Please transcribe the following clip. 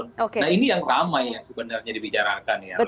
nah ini yang ramai yang sebenarnya dibicarakan ya